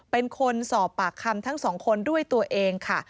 เป็นคนสอบปากคำทั้งสองคนด้วยตัวเองค่ะ